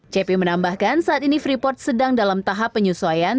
cepi menambahkan saat ini freeport sedang dalam tahap penyesuaian